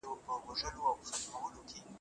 ستاسو ملګری.